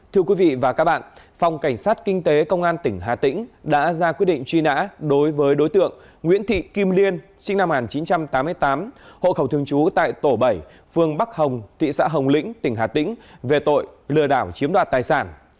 thưa quý vị và các bạn phòng cảnh sát kinh tế công an tỉnh hà tĩnh đã ra quyết định truy nã đối với đối tượng nguyễn thị kim liên sinh năm một nghìn chín trăm tám mươi tám hộ khẩu thường trú tại tổ bảy phương bắc hồng thị xã hồng lĩnh tỉnh hà tĩnh về tội lừa đảo chiếm đoạt tài sản